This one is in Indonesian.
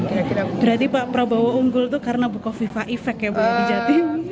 berarti pak prabowo unggul itu karena buku viva effect ya bu